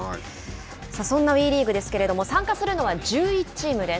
そんなＷＥリーグですけれども参加するのは１１チームです。